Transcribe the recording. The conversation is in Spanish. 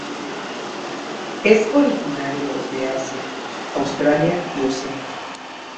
Es originario de Asia, Australia y Oceanía.